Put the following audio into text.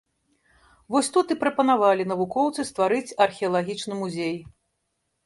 Вось тут і прапанавалі навукоўцы стварыць археалагічны музей.